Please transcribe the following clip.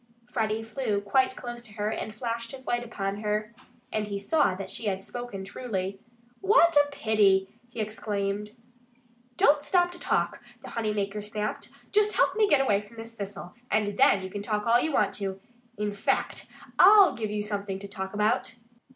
Freddie flew quite close to her and flashed his light upon her. And he saw that she had spoken truly. "What a pity!" he exclaimed. "Don't stop to talk!" the honey maker snapped. "Just help me to get away from this thistle. And THEN you can talk all you want to. In fact, I'll give you something to talk about."